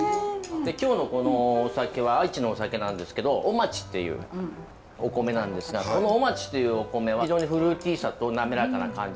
今日のこのお酒は愛知のお酒なんですけど雄町っていうお米なんですがこの雄町というお米は非常にフルーティーさと滑らかな感じ。